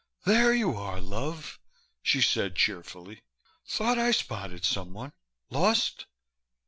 "There you are, love," she said cheerfully. "Thought I spotted someone. Lost?"